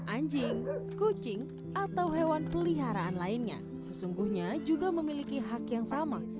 anjing kucing atau hewan peliharaan lainnya sesungguhnya juga memiliki hak yang sama